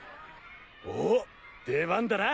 おっ出番だな！